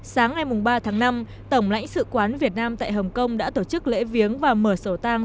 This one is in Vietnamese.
sáng ngày ba tháng năm tổng lãnh sự quán việt nam tại hồng kông đã tổ chức lễ viếng và mở sổ tăng